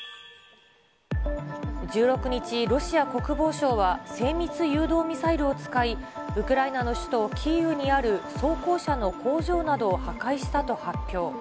１６日、ロシア国防省は、精密誘導ミサイルを使い、ウクライナの首都キーウにある、装甲車の工場などを破壊したと発表。